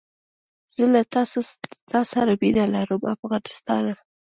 زه له تاسره مینه لرم افغانستانه